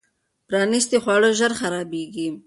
پرانیستي خواړه ژر خرابېږي.